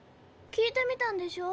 聞いてみたんでしょ